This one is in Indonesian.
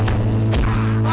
udah udah udah